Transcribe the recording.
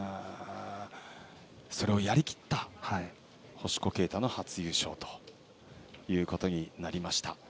それをやりきった星子啓太の初優勝となりました。